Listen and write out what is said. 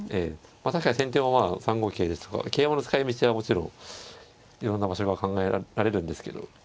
確かに先手もまあ３五桂ですとか桂馬の使いみちはもちろんいろんな場所が考えられるんですけど。